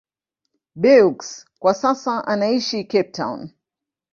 Beukes kwa sasa anaishi Cape Town.